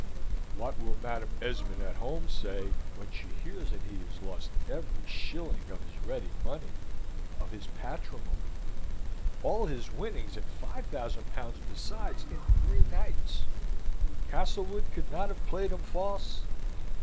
What will Madam Esmond at home say when she hears that he has lost every shilling of his ready money of his patrimony? All his winnings, and five thousand pounds besides, in three nights. Castlewood could not have played him false?